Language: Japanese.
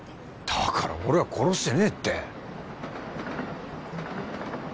だから俺は殺してねえって。